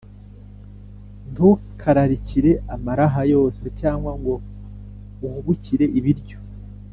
Ntukararikire amaraha yose, cyangwa ngo uhubukire ibiryo,